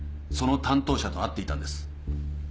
その担当者と会っていたんです。